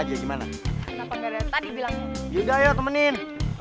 aja gimana tadi bilangnya yuk temenin